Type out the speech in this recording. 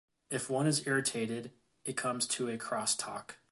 If one is irritated, it comes to a crosstalk.